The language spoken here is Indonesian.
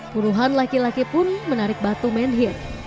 puluhan laki laki pun menarik batu menhir